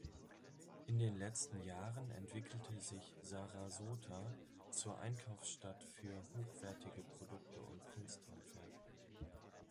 In den letzten Jahren entwickelte sich Sarasota zur Einkaufsstadt für hochwertige Produkte und Kunsthandwerk.